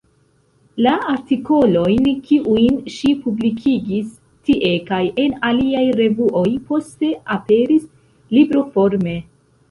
La artikolojn, kiujn ŝi publikigis tie kaj en aliaj revuoj, poste aperis libroforme.